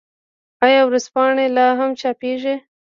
آیا ورځپاڼې لا هم چاپيږي؟